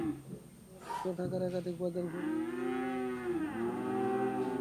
গতকাল বুধবার ঢাকার একাধিক বাজার ঘুরে পাওয়া স্মার্টফোনের দাম নিচে দেওয়া হলো।